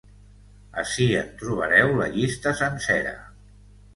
Ací en trobareu la llista sencera.